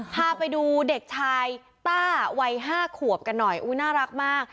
พาไปดูเด็กชายต้าวัย๕ขวบกันหน่อยอุ๊ยน่ารักมาก